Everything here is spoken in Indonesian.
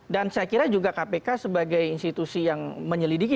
dan saya kira juga kpk sebagai institusi yang menyelidiki